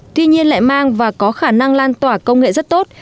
tuy nhiên lại mang và có khả năng lan tỏa công nghệ rất tốt